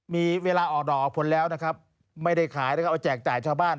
มีเวลาออกดอกออกผลแล้วนะครับไม่ได้ขายแล้วก็เอาแจกจ่ายชาวบ้าน